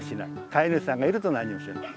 飼い主さんがいると何もしない。